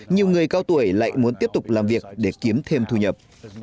nhiều người cao tuổi lại muốn tiếp tục làm việc để kiếm thêm thu nhập